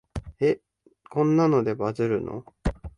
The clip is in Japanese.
え、こんなのでバズるの？